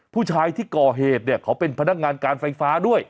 ผู้ชายที่ก่อเหตุเนี่ยเขาเป็นพนักงานการไฟฟ้าด้วย